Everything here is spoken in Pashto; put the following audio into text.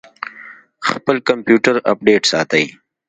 خپل کمپیوټر اپډیټ ساتئ؟